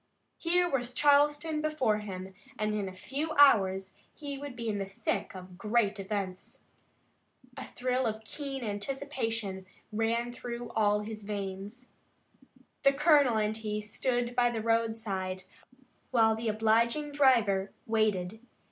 Here was Charleston before him and in a few hours he would be in the thick of great events. A thrill of keen anticipation ran through all his veins. The colonel and he stood by the roadside while the obliging driver waited.